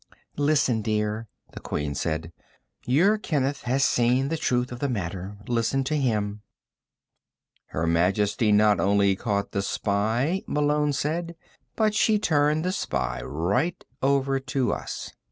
"Listen, dear," the Queen said. "Your Kenneth has seen the truth of the matter. Listen to him." "Her Majesty not only caught the spy," Malone said, "but she turned the spy right over to us."